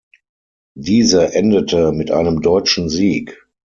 Diese endete mit einem deutschen Sieg.